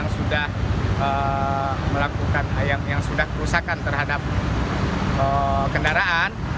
yang sudah melakukan yang sudah kerusakan terhadap kendaraan